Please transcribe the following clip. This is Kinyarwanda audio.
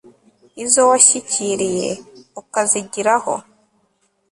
Izo washyikiriye ukazigiraho